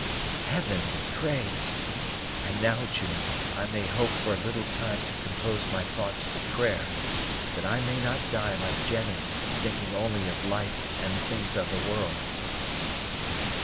"Heaven be praised! And now, June, I may hope for a little time to compose my thoughts to prayer, that I may not die like Jennie, thinking only of life and the things of the world."